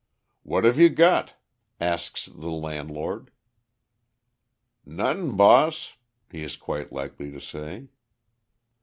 "What have you got?" asks the landlord. "Noting', boss," he is quite likely to say.